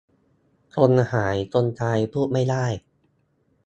คนหายคนตายพูดไม่ได้